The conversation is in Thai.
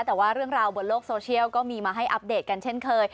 แต่ว่าเรื่องราวบนโลกโซเชียลก็มีมาให้อัปเดตกันเช่นเคย